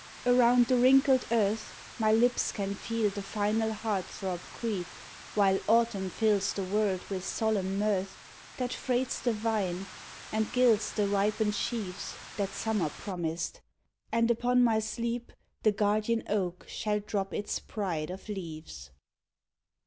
Around the wrinkled earth My lips can feel the final heart throb creep, While autumn fills the world with solemn mirth That freights the vine and gilds the ripened sheaves That summer promised ; and upon my sleep The guardian oak shall drop its pride of leaves.